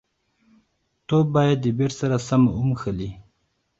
توپ باید د بېټ سره سم وموښلي.